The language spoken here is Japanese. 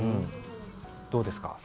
どうですか？